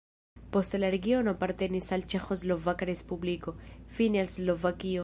Poste la regiono apartenis al Ĉeĥoslovaka respubliko, fine al Slovakio.